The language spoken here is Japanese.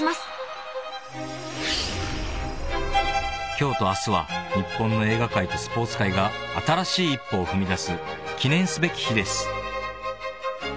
［今日と明日は日本の映画界とスポーツ界が新しい一歩を踏みだす記念すべき日です］